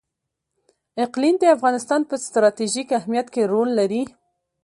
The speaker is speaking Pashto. اقلیم د افغانستان په ستراتیژیک اهمیت کې رول لري.